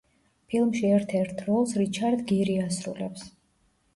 ფილმში ერთ-ერთ როლს რიჩარდ გირი ასრულებს.